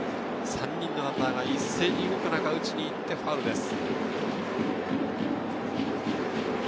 ３人のランナーが一斉に動く中、打ちに行ってファウルです。